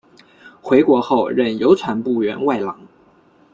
回国后任邮传部员外郎。